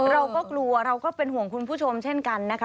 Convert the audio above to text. เราก็กลัวเราก็เป็นห่วงคุณผู้ชมเช่นกันนะคะ